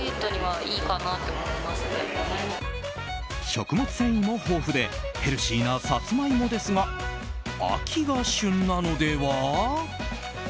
食物繊維も豊富でヘルシーなさつまいもですが秋が旬なのでは？